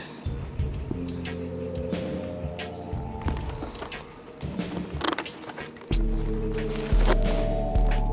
saya sudah jalan